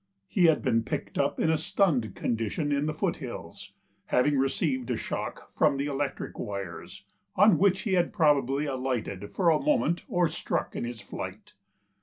He had been picked up in a stunned condition in the foot hills, having received a shock from the electric wires, on which he had probably alighted for a moment or struck in his flight.